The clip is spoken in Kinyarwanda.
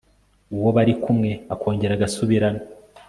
uwo bari kumwe akongera agasubirana